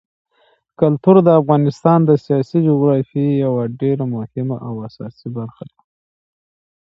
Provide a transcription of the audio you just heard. کلتور د افغانستان د سیاسي جغرافیې یوه ډېره مهمه او اساسي برخه ده.